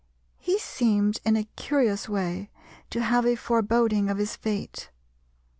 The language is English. He seemed in a curious way to have a foreboding of his fate.